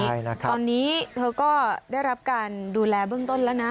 ตอนนี้เธอก็ได้รับการดูแลเบื้องต้นแล้วนะ